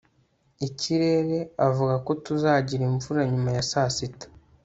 ikirere avuga ko tuzagira imvura nyuma ya saa sita